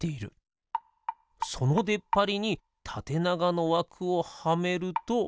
そのでっぱりにたてながのわくをはめると。